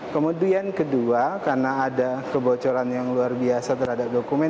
kemudian kedua karena ada kebocoran yang luar biasa terhadap dokumen